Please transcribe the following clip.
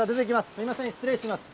すみません、失礼します。